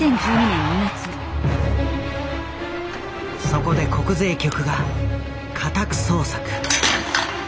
そこで国税局が家宅捜索。